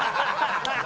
ハハハ